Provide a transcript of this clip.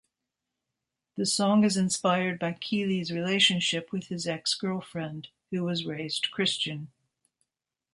The song is inspired by Keelys relationship with his ex-girlfriend who was raised Christian.